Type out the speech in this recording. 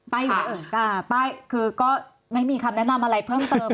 ป้ายอยู่ในบ้านป้ายคือก็ไม่มีคำแนะนำอะไรเพิ่มเติม